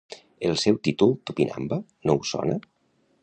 El seu títol “Tupinamba”, no us sona?